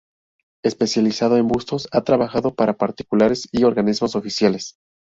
Especializado en bustos, ha trabajado para particulares y organismos oficiales.